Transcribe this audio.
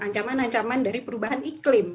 ancaman ancaman dari perubahan iklim